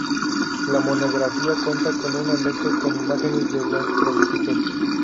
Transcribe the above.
La monografía cuenta con un anexo con imágenes de los prototipos.